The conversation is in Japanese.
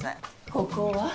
ここは？